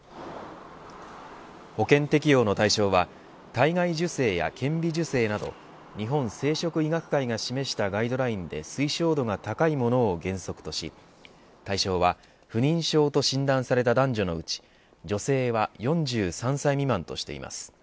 保険適用の対象は体外受精や顕微授精など日本生殖医学会が示したガイドラインで推奨度が高いものを原則とし対象は不妊症と診断された男女のうち女性は４３歳未満としています。